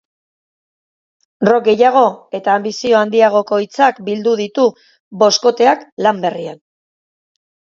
Rock gehiago eta anbizio handiagoko hitzak bildu ditu boskoteak lan berrian.